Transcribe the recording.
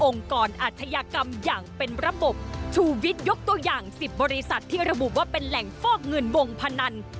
อาชญากรรมอย่างเป็นระบบชูวิทยกตัวอย่าง๑๐บริษัทที่ระบุว่าเป็นแหล่งฟอกเงินวงพนัน